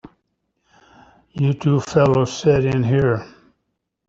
You two fellas sit in here.